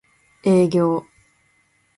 営業